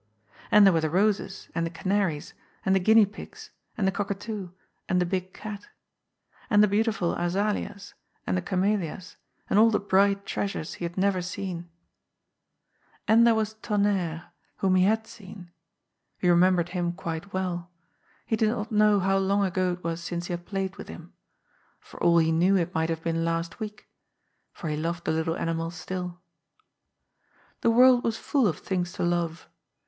And there were the roses and the canaries, and the guinea pigs, and the cockatoo and the big cat. And the beautiful azaleas, and the camellias, and all the bright treas ures he had never seen. 284 GOD'S POOL. And there was '^ Tonnerre," whom he had seen. He remembered him quite well. He did not know how long ago it was since he had played with him. For all he knew, it might have been last week. For he loved the little ani mal stilL The world was full of things to love.